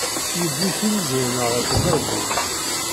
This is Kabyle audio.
Yewwi tiliẓri-nneɣ ɣer uderbuz.